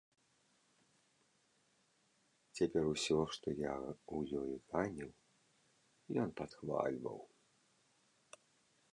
Цяпер усё, што я ў ёй ганіў, ён падхвальваў.